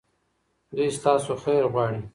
دوی ستاسو خیر غواړي.